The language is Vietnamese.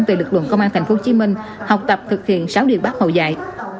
về lực lượng công an tp hcm học tập thực hiện sáu điều bác hồ dạy